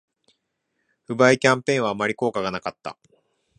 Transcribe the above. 不買キャンペーンはあまり効果がなかった